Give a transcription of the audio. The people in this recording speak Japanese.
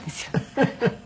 フフフフ。